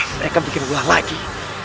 mereka bikin gua lagi